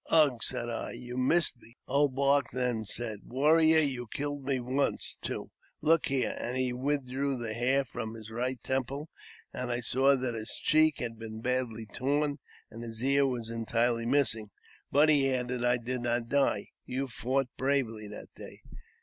" Ugh !" said I ;" you missed me." Old Bark then said, " Warrior, you killed me once too : look here ;" and he withdrew the hair from his right temple, and I JAMES P. BECKWOUBTH. 357 saw that his cheek had been badly torn, and his ear was entirely missing. " But," he added, " I did not die. You fought bravely that day."